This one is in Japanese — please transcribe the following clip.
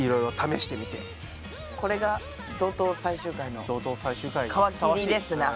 これが怒とう最終回の皮切りですな。